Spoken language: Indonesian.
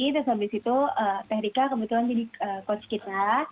terus habis itu terika kebetulan jadi coach kita